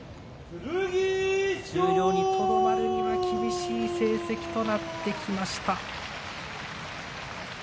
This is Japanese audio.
十両にとどまるには厳しい成績となってきました。